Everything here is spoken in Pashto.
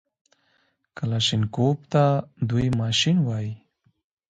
کلاشينکوف ته دوى ماشين وايي.